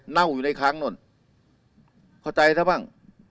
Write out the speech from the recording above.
เน่าอยู่ในค้างนู่นเข้าใจสิบห้าง